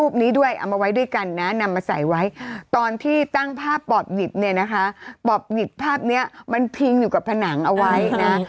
พี่ตั้งภาพปอบหยิบเนี่ยนะคะปอบหยิบภาพเนี่ยมันพิมพ์อยู่กับผนังเอาไว้นะ